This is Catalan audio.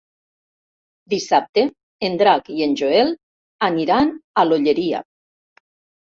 Dissabte en Drac i en Joel aniran a l'Olleria.